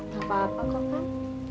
gak apa apa kok kak